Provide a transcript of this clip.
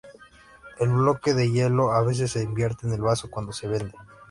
El bloque de hielo a veces se invierte en el vaso cuando se vende.